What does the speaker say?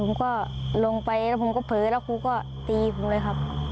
ผมก็ลงไปแล้วผมก็เผลอแล้วครูก็ตีผมเลยครับ